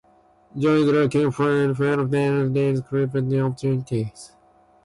Jon is looking for a well-paid job with career opportunities.